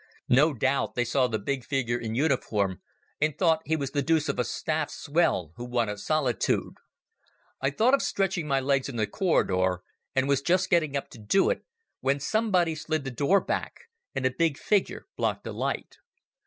No doubt they saw the big figure in uniform and thought he was the deuce of a staff swell who wanted solitude. I thought of stretching my legs in the corridor, and was just getting up to do it when somebody slid the door back and a big figure blocked the light.